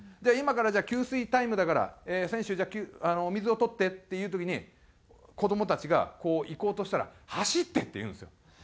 「今からじゃあ給水タイムだから選手お水を取って」っていう時に子どもたちがこう行こうとしたら「走って」って言うんですよ。